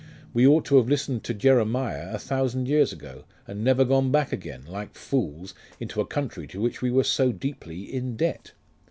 We ought to have listened to Jeremiah a thousand years ago, and never gone back again, like fools, into a country to which we were so deeply in debt.